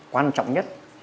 quan trọng nhất